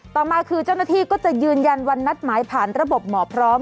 ต่อมาคือเจ้าหน้าที่ก็จะยืนยันวันนัดหมายผ่านระบบหมอพร้อม